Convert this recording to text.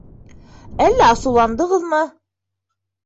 Әллә асыуландығыҙмы?